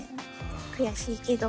悔しいけど。